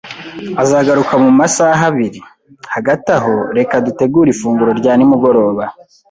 Azagaruka mumasaha abiri. Hagati aho, reka dutegure ifunguro rya nimugoroba